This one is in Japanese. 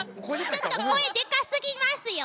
ちょっと声でかすぎますよ。